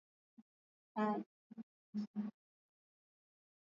isipokuwa maneno machache na pia yana mila na desturi zinazotofautiana